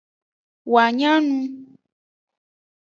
Woa nya nu.